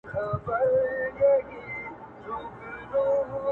قېمتي جامي په غاړه سر تر پایه وو سِنکار,